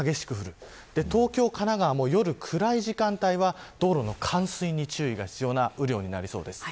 そして東京、神奈川も夜暗い時間帯は道路の冠水に注意が必要な雨量となりそうです。